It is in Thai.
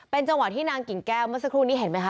จังหวะที่นางกิ่งแก้วเมื่อสักครู่นี้เห็นไหมค